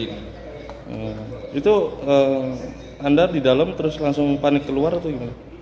itu anda di dalam terus langsung panik keluar atau gimana